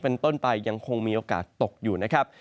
เป็นต้นไปยังคงมีโอกาสตกอยู่นะครับ